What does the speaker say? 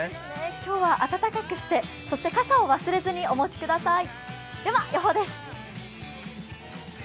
今日は暖かくして、そして傘を忘れずにお持ちください。